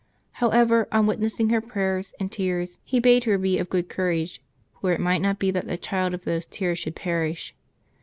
However, on witnessing her prayers and tears, he bade her be of good courage ; for it might not be that the child of those tears should perish.